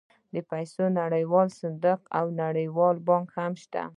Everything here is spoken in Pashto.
د پیسو نړیوال صندوق او نړیوال بانک هم شته